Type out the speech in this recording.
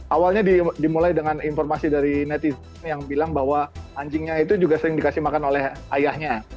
awalnya dimulai dengan informasi dari netizen yang bilang bahwa anjingnya itu juga sering dikasih makan oleh ayahnya